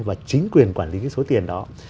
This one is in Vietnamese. và chính quyền quản lý cái số tiền đó